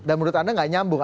dan menurut anda tidak nyambung